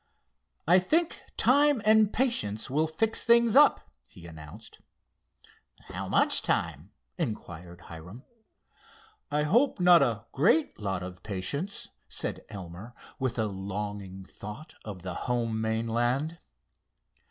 "I think time and patience will fix things up," he announced. "How much time?" inquired Hiram. "I hope not a great lot of patience," said Elmer, with a longing thought of the home mainland.